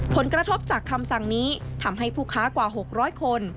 ผลกระทบจากคำสั่งนี้ทำให้ผู้ค้ากว่า๖๐๐คน